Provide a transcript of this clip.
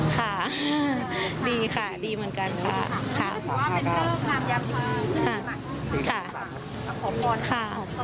แก้ปีชงปีพี่ไก่ค่ะค่ะค่ะค่ะ